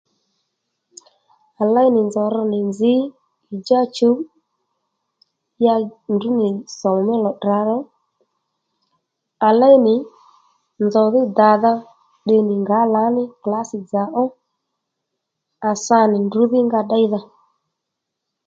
À léy nì nzòw rr nì nzǐy ì djá chuw ya ndrǔ nì sòmù mí lò tdrǎ ro à léy nì nzòw dhí dàdha tdè nì ngǎ lǎní klǎsì-dzà ó à sa nì ndrǔdhí nga ddéydha